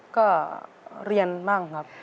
ก็เรียนบ้างครับ